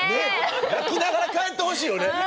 泣きながら帰ってほしいよね。